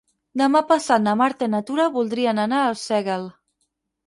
Demà passat na Marta i na Tura voldrien anar a Arsèguel.